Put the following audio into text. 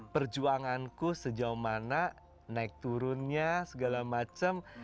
perjuanganku sejauh mana naik turunnya segala macam